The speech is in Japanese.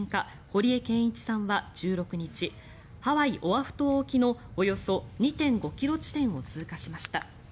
堀江謙一さんは１６日ハワイ・オアフ島沖のおよそ２．５ｋｍ地点を通過しました。